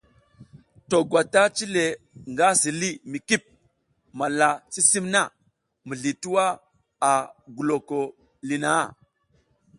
To gwata cile nga si li mi kip malla sisim na mizli twua a goloko li na.